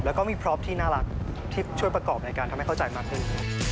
แล้วก็มีพร้อมที่น่ารักที่ช่วยประกอบในการทำให้เข้าใจมากขึ้น